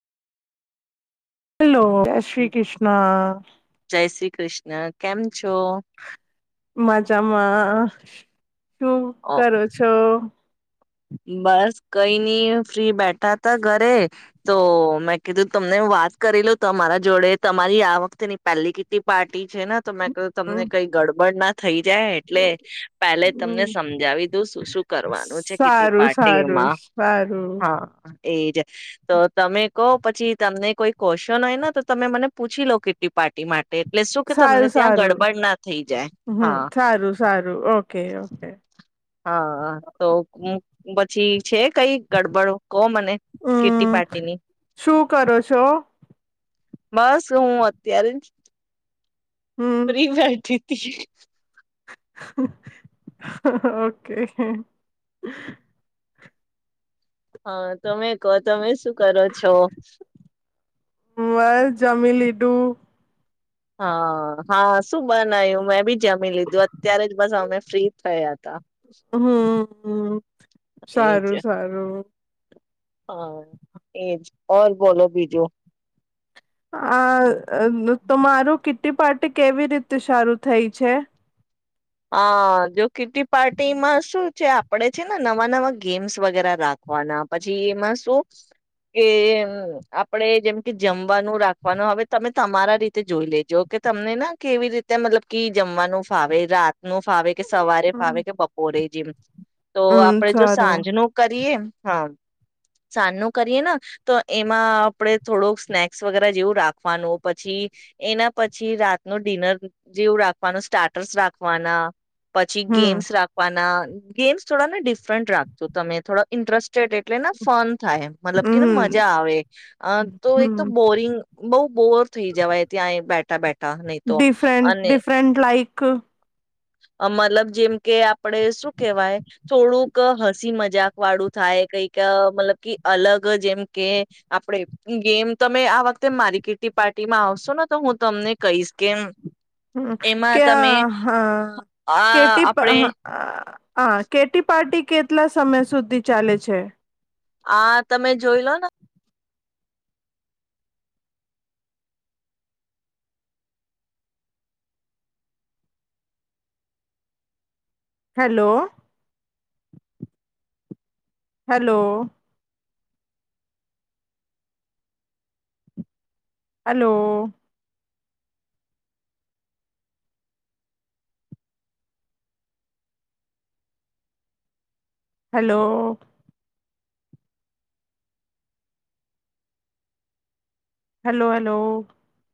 Hello. જય શ્રી કૃષ્ણ. ના કેમ છો મજામાં. શું ઓ કરો છો? બસ કઈ નઈ ફ્રી બેઠા ત ઘરે તો મેં કીધું તમને વાત કરી લઉ તમારા જોડે તમારી આ વખતેની પહેલી કેટલી પાર્ટી છે ને તો મે તમને કઈ ગડબડ ના થઈ જાય એટલે પેલે તમને હમ સમજાવી દઉં શું શું કરવાનું છે કે સારું તેથી સારું સારું. એજ તો તમે કહો પછી તમને કોઈ કવચન હોય ને તો તમે મને પૂછી લો કેટલી પાર્ટી માટે એટલે શું કે તમને સારું ત્યાં સારું ગડબડ ના થઈ જાય હમ હા. સારું સારું ઓકે ઓકે. હા, હા, તો અમ પછી છે કઈ ગડબડ કહો મને કીટ્ટી હમ પાર્ટીની. શું કરો છો? બસ હું અત્યારે જ હમ ફ્રી બેઠી તી. ઓકે. હા તમે કહો તમે શું કરો છો? બસ જમી લીધું. હા, હા શું બનાયું મેં બી જમી લીધું અત્યારે જ બસ અમે ફ્રી થયા હતા. હમ્મ. એજ સારું-સારું. હા એજ ઓર બોલો બીજું. આ અહ તમારું કીટી પાર્ટી કેવી રીતે સારું થઈ છે? અહ જો કીટી પાર્ટીમાં શું છે આપણેે છે ને નવા-નવા ગેમ્સ વગેરા રાખવાના પછી એમાં શું કે આપણેે જેમ કે જમવાનું રાખવાનું, હવે તમે તમારા રીતે જોઈ લેજો ઓકે તમને ના કેવી રીતે મતલબ કે જમવાનું ફાવે રાત નો ફાવે કે સવારે હમ ફાવે કે બપોરે જેમ તો આપડે જો સારું સાંજ નું કરીએ હા. સાંજનું કરીએ ને તો એમાં આપણેે થોડોક સ્નેક્સ વગેરે જેવું રાખવાનું પછી એના પછી રાતનું ડિનર જેવું રાખવાનું સ્ટાર્ટર્સ રાખવાના. પછી હમ ગેમ્સ રાખવાના. ગેમ્સ થોડા ને ડિફરન્ટ રાખજો તમે થોડાઇન્ટરેસ્ટેડ એટલે ન ફોન થાય મતલબ કે ને હમ મજા આવે તો એક તો હમ બોરિંગ બહુ બોર થઈ જવાય ત્યાં બેઠા બેઠા નહી તો અને એક મતલબ જેમ કે આ આપડે શું કેવાય? થોડુંક હસી મજાક વાળું થાય કઈક મતલબ કે અલગ જેમ કે આપડે જેમ તમે આ વખતે મારી કીટી પાર્ટી માં આવશો ને તો હું તમને કહીશ કેમ હમ ક્યા હા. હ આ કેટીપ આપણે હ. હા કેટી પાર્ટી કેટલા સમય સુધી ચાલે છે. આ તમે જોઈ લોને. Hello hello. Hello. Hello. Hello hello.